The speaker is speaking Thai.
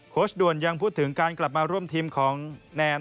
ชด่วนยังพูดถึงการกลับมาร่วมทีมของแนม